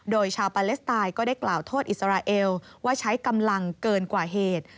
โดยชาวปาเลสไตน์ก็ได้กล่าวโทษอิสราเอลว่าใช้กำลังเกินกว่าเหตุ